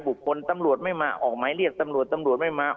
บุคคลตำรวจไม่มาออกไม้เรียกตำรวจไม่มา